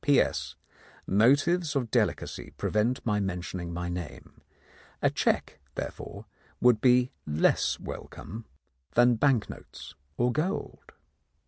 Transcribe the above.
S." "P.S. — Motives of delicacy prevent my mention ing my name. A cheque therefore would be less welcome than bank notes or gold."